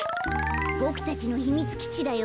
ボクたちのひみつきちだよ。